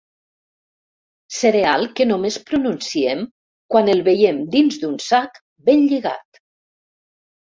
Cereal que només pronunciem quan el veiem dins d'un sac ben lligat.